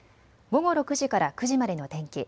午後６時から９時までの天気。